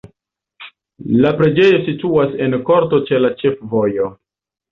La preĝejo situas en korto ĉe la ĉefvojo.